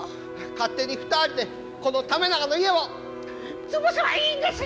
勝手に２人でこの為永の家を潰せばいいんですよ！